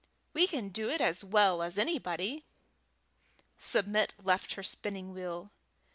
We can do it as well as anybody." Submit left her spinning wheel.